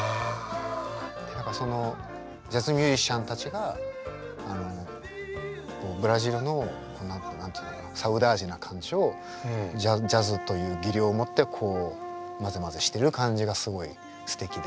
何かそのジャズミュージシャンたちがブラジルの何て言うのサウダージな感じをジャズという技量を持って混ぜ混ぜしてる感じがすごいすてきで。